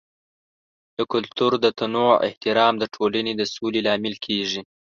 د کلتور د تنوع احترام د ټولنې د سولې لامل کیږي.